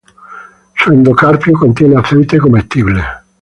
Su endocarpio contiene aceite comestible.